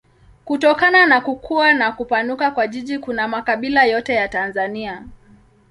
Kutokana na kukua na kupanuka kwa jiji kuna makabila yote ya Tanzania.